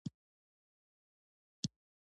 پلار د ستونزو حل کوونکی دی.